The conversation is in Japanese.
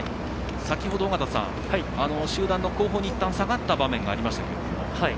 先ほど集団の後方にいったん下がった場面がありましたけれども。